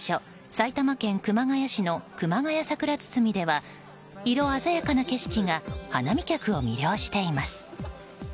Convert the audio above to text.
埼玉県熊谷市の熊谷桜堤では色鮮やかな景色が花見客を魅了しています。